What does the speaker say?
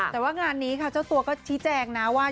แต่ว่างานนี้ค่ะเจ้าตัวก็ชี้แจงนะว่า